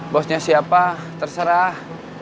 bosnya siapa terserah